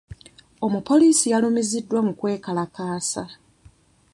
Omupoliisi yalumiziddwa mu kwe kalakaasa.